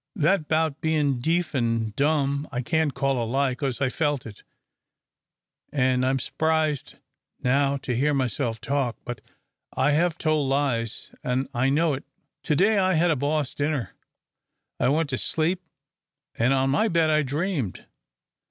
That 'bout bein' deef an' dumb I can't call a lie, 'cause I felt it, an' I'm s'prised now to hear myself talk. But I have told lies, an' I know it. To day I had a boss dinner. I went to sleep an' on my bed I dreamed.